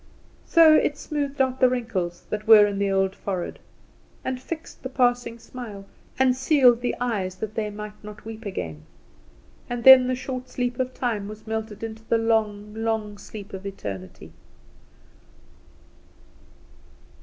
So it smoothed out the wrinkles that were in the old forehead, and fixed the passing smile, and sealed the eyes that they might not weep again; and then the short sleep of time was melted into the long, long sleep of eternity.